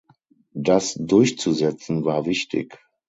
Das durchzusetzen, war wichtig.